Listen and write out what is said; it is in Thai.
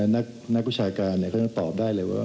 นักกุศชาการเนี่ยเขาตอบได้เลยว่า